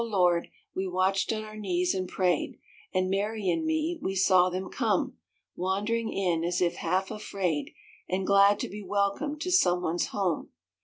0 Lord ! we watched on our knees and prayed, And Mary and me, we saw them come Wandering in as if half afraid, And glad to be welcome to someone's home.